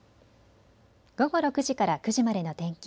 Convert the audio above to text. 午後６時から９時までの天気。